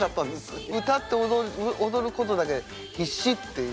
歌って踊ることだけで必死っていう。